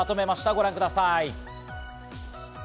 ご覧ください。